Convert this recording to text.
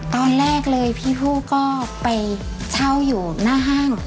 ตอนแรกเลยพี่ผู้ก็ไปเช่าอยู่หน้าห้าง